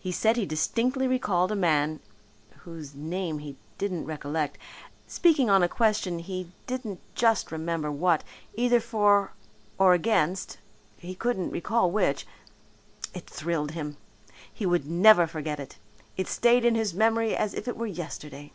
He said he distinctly recalled a man, whose name he didn't recollect, speaking on a question he didn't just remember what, either for or against he just couldn't recall which; it thrilled him. He would never forget it. It stayed in his memory as if it were yesterday.